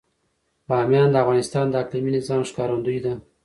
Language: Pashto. بامیان د افغانستان د اقلیمي نظام ښکارندوی ده.